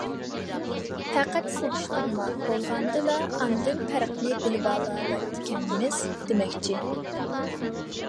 پەقەت سېلىشتۇرما بولغاندىلا، ئاندىن پەرقنى بىلىۋالالايدىكەنمىز دېمەكچى.